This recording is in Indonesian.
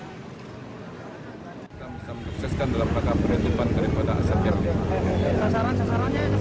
pertama penutupan asian games